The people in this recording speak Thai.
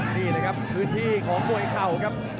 ที่เลยครับคือที่ของม้วยข่าวครับ